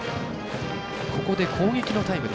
ここで、攻撃のタイム。